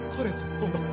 そんな。